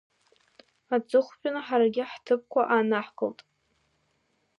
Аҵыхәтәаны ҳаргьы ҳҭыԥқәа аанаҳкылт.